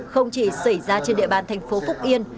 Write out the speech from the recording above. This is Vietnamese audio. không chỉ xảy ra trên địa bàn tp phúc yên